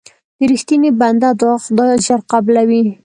د رښتیني بنده دعا خدای ژر قبلوي.